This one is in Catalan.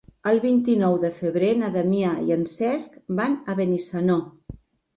El vint-i-nou de febrer na Damià i en Cesc van a Benissanó.